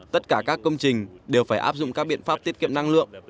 tất cả các công trình đều phải áp dụng các biện pháp tiết kiệm năng lượng